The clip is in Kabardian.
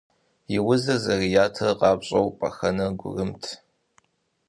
И узыр зэрыятэр къапщӏэу, пӏэхэнэр гурымт.